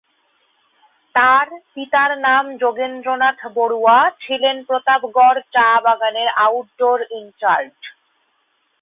তার পিতার নাম যোগেন্দ্রনাথ বড়ুয়া, ছিলেন প্রতাপগড় চা বাগানের আউটডোর ইনচার্জ।